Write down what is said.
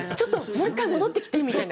もう１回戻ってきてみたいな。